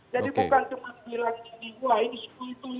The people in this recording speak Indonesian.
jadi bukan cuma bilang ini wah ini itu itu itu